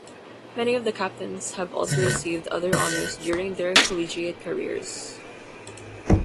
Many of the captains have also received other honors during their collegiate careers.